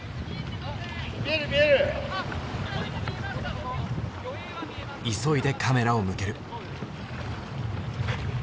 急いでカメラを向ける。